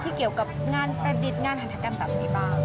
ที่เกี่ยวกับงานแปรดิตงานหันธกรรมแบบนี้บ้าง